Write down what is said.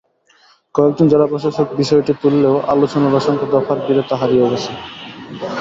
কয়েকজন জেলা প্রশাসক বিষয়টি তুললেও আলোচনার অসংখ্য দফার ভিড়ে তা হারিয়ে গেছে।